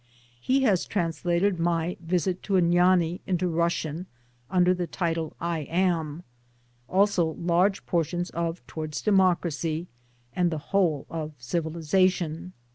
He has translated my Visit to a Gnani into Russian under the title / 'Am, also large portions of Towards Democracy and the whole of Civilization.